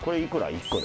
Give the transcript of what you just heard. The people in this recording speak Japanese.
１個で。